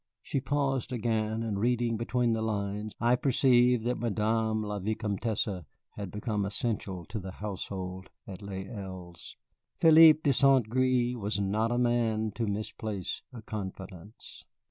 She paused again, and, reading between the lines, I perceived that Madame la Vicomtesse had become essential to the household at Les Îles. Philippe de St. Gré was not a man to misplace a confidence.